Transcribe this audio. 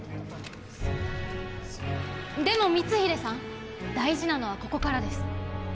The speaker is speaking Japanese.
でも光秀さん大事なのはここからです。